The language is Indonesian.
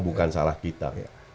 bukan salah kita